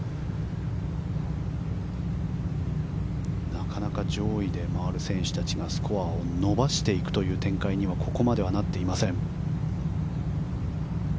なかなか上位で回る選手たちがスコアを伸ばしていく展開にはここまではなっていません。